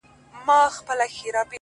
زما ځوانمرگ وماته وايي.